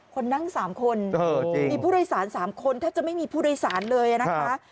คนนั่ง๓คนมีผู้โดยสาร๓คนแทบจะไม่มีผู้โดยสารเลยนะคะ